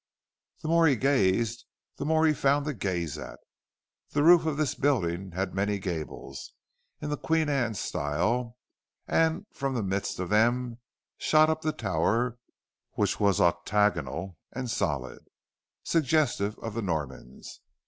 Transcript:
The more he gazed, the more he found to gaze at. The roof of this building had many gables, in the Queen Anne style; and from the midst of them shot up the tower, which was octagonal and solid, suggestive of the Normans.